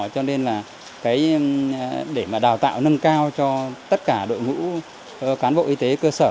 cho nên là để mà đào tạo nâng cao cho tất cả đội ngũ cán bộ y tế cơ sở